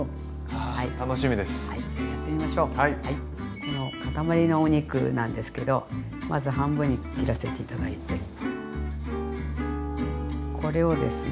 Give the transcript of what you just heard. この塊のお肉なんですけどまず半分に切らせて頂いてこれをですね